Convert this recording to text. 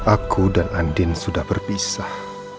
aku dan andin sudah berpisah